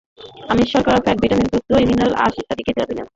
আমিষ, শর্করা, fat, vitamin, দুধ, দই, মিনারেলস, আঁশ ইত্যাদি খেতে হবে নিয়মমতো।